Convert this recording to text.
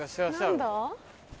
何だ？